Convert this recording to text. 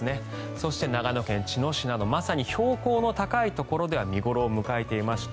そして、長野県茅野市などまさに標高の高いところでは見頃を迎えていまして。